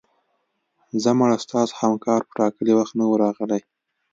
ځه مړه ستاسو همکار په ټاکلي وخت نه و راغلی